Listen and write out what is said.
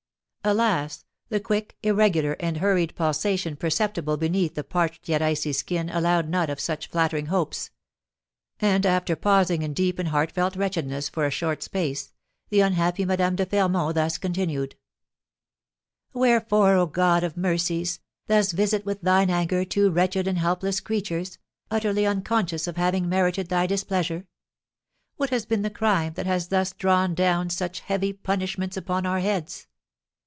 Alas! the quick, irregular, and hurried pulsation perceptible beneath the parched yet icy skin allowed not of such flattering hopes; and, after pausing in deep and heartfelt wretchedness for a short space, the unhappy Madame de Fermont thus continued: "Wherefore, O God of Mercies, thus visit with thine anger two wretched and helpless creatures, utterly unconscious of having merited thy displeasure? What has been the crime that has thus drawn down such heavy punishments upon our heads?